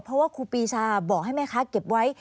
เพราะว่าครูปีชาบอกให้แม่ค้าเก็บไว้